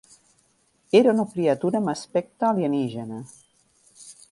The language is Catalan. Era una criatura amb aspecte alienígena.